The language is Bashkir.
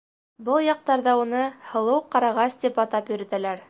Был яҡтарҙа уны «Һылыу ҡарағас» тип атап йөрөтәләр.